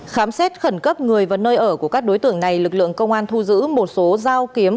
khám xét khẩn cấp người và nơi ở của các đối tượng này lực lượng công an thu giữ một số dao kiếm